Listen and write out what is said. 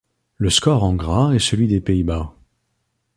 Le score en gras est celui des Pays-Bas.